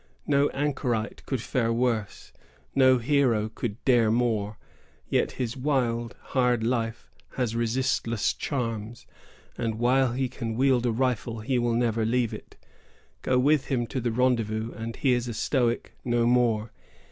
No anchorite could fare worse, no hero could dare more; yet his wild, hard life has resistless charms; and, while he can wield a rifle, he will never leave it. Go with him to the rendezvous, and he is a stoic no more.